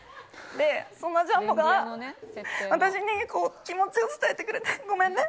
で、そのジャンボが私に気持ちを伝えてくれてごめんね。